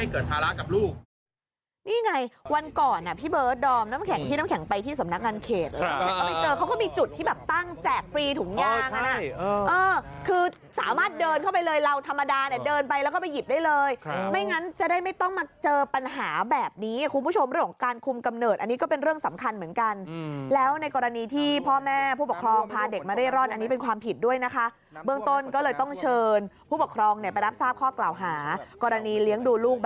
คือสามารถเดินเข้าไปเลยเราธรรมดาเนี่ยเดินไปแล้วก็ไปหยิบได้เลยไม่งั้นจะได้ไม่ต้องมาเจอปัญหาแบบนี้คุณผู้ชมเรื่องของการคุมกำเนิดอันนี้ก็เป็นเรื่องสำคัญเหมือนกันแล้วในกรณีที่พ่อแม่ผู้ปกครองพาเด็กมาเร่ร่อนอันนี้เป็นความผิดด้วยนะคะเบื้องต้นก็เลยต้องเชิญผู้ปกครองเนี่ยไปรับทราบข้อกล่าวหากรณีเลี้ย